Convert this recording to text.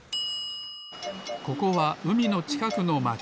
ここはうみのちかくのまち。